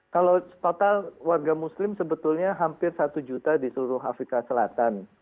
kalau total warga muslim sebetulnya hampir satu juta di seluruh afrika selatan